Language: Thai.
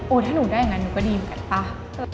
ถ้าหนูได้อย่างนั้นหนูก็ดีเหมือนกันป่ะ